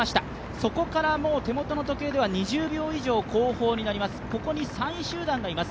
そこから手元の時計では２０秒以上後方になります、ここに３位集団がいます。